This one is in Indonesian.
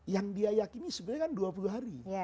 yang dia yakini sebenarnya kan dua puluh hari